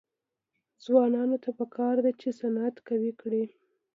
ځوانانو ته پکار ده چې، صنعت قوي کړي.